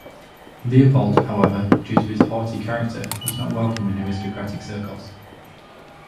Leopold, however, due to his "haughty" character, was not welcome in aristocratic circles.